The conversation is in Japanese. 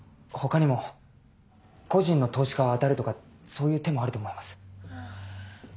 他にも個人の投資家を当たるとかそういう手もあると思います。